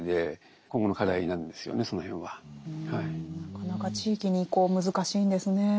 なかなか地域に移行難しいんですね。